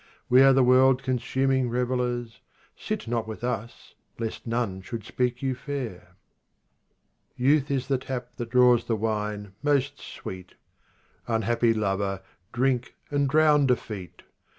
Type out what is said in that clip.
We are the world consuming revellers ; Sit not with us, lest none should speak you fair. Youth is the tap that draws the wine most sweet. Unhappy lover, drink and drown defeat